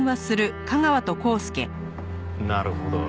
なるほど。